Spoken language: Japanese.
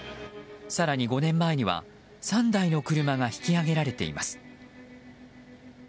更に５年前には３台の車が引き揚げられています。